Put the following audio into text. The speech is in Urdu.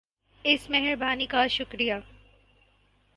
اس مہربانی کا شکریہ